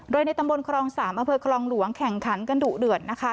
โดยในตำบลครอง๓อำเภอคลองหลวงแข่งขันกันดุเดือดนะคะ